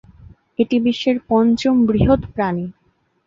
এটি বিশ্বের পঞ্চম বৃহৎ প্রাণী।